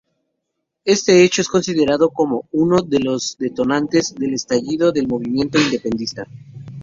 Este hecho es considerado como uno de los detonantes del estallido del movimiento independentista.